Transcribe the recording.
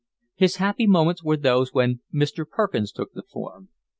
His happy moments were those when Mr. Perkins took the form.